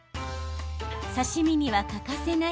刺身には欠かせない